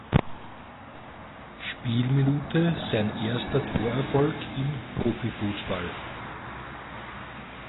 Spielminute sein erster Torerfolg im Profifußball.